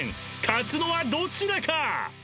［勝つのはどちらか？］